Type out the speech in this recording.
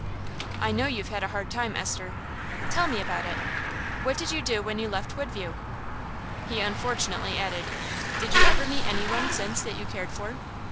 "I know you've had a hard time, Esther. Tell me about it. What did you do when you left Woodview?" He unfortunately added, "Did you ever meet any one since that you cared for?"